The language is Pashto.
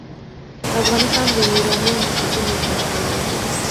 افغانستان د یورانیم د ساتنې لپاره قوانین لري.